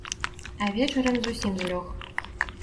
А вечарам зусім злёг.